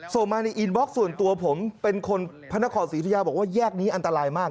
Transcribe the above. ส่งมาในอินบล็อกส่วนตัวผมเป็นคนพระนครศรีอุทยาบอกว่าแยกนี้อันตรายมาก